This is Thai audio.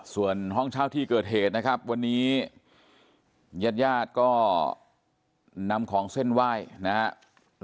ส่วนห้องเช่าที่เกิดเหตุนะครับวันนี้ญาติญาติก็นำของเส้นไหว้นะครับ